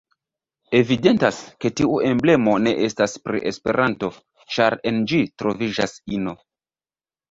Evidentas ke tiu emblemo ne estas pri Esperanto, ĉar en ĝi troviĝas ino.